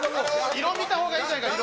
色見たほうがいいんじゃないか、色。